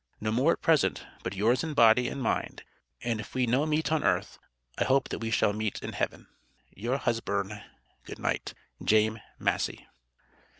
No more at present But yours in Body and mind, and if we no meet on Earth I hope that we shall meet in heven. Your husbern. Good night. JAME MASEY.